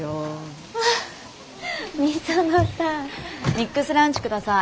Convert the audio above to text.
ミックスランチ下さい。